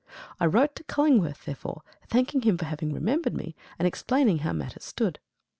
I wrote to Cullingworth, therefore, thanking him for having remembered me, and explaining how matters stood.